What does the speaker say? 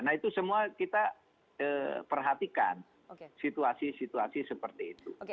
nah itu semua kita perhatikan situasi situasi seperti itu